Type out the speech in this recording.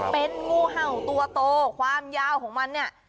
เป็นงูเห่าตัวโตความยาวของมันเนี่ย